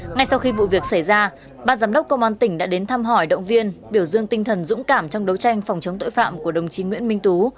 ngay sau khi vụ việc xảy ra ban giám đốc công an tỉnh đã đến thăm hỏi động viên biểu dương tinh thần dũng cảm trong đấu tranh phòng chống tội phạm của đồng chí nguyễn minh tú